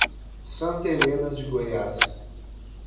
Santa Helena de Goiás